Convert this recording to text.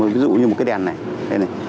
ví dụ như một cái đèn này đây này